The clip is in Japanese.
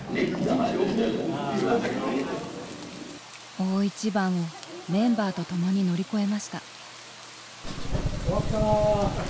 大一番をメンバーとともに乗り越えました。